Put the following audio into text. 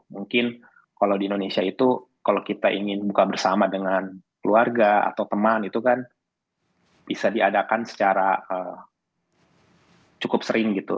mungkin kalau di indonesia itu kalau kita ingin buka bersama dengan keluarga atau teman itu kan bisa diadakan secara cukup sering gitu